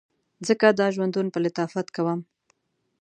ځکه دا ژوندون په لطافت کوم